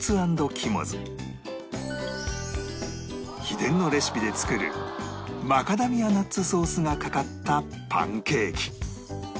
秘伝のレシピで作るマカダミアナッツソースがかかったパンケーキ